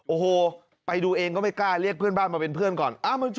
โอ้โหไปดูเองก็ไม่กล้าเรียกเพื่อนบ้านมาเป็นเพื่อนก่อน